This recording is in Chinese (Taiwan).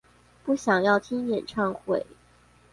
不想要聽演唱會